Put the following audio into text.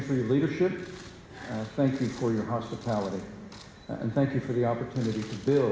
untuk memperbaiki keamanan dan keamanan indonesia